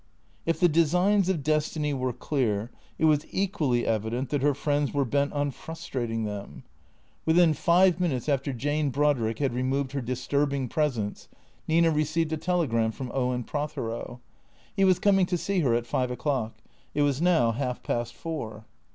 If the designs of destiny were clear, it was equally evident that her friends were bent on frustrating them. Within five T H E C R E A T 0 R S 379 minutes after Jane Brodrick had removed her disturbing pres ence, Nina received a telegram from Owen Prothero. He was coming to see her at five o'clock. It was now half past four.